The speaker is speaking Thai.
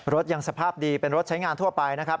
รถยังสภาพดีเป็นรถใช้งานทั่วไปนะครับ